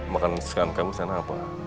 makan sekang sekang misalnya apa